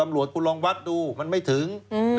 ไม่ผิดไม่ถูกต้อง